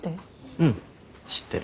うん知ってる。